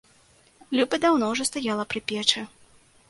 Люба даўно ўжо стаяла пры печы.